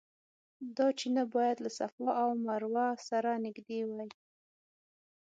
دا چینه باید له صفا او مروه سره نږدې وای.